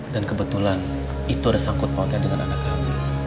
dan kebetulan itu udah sangkut mautnya dengan anak kami